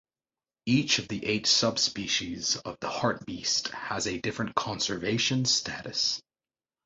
Each of the eight subspecies of the hartebeest has a different conservation status.